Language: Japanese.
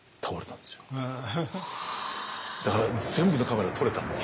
だから全部のカメラで撮れたんです。